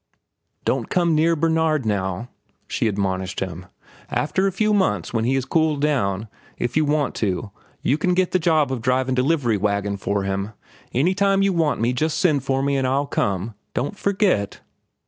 "Don't come near Bernard now," she admonished him. "After a few months, when he is cooled down, if you want to, you can get the job of drivin' delivery wagon for him. Any time you want me, just send for me an' I'll come. Don't forget."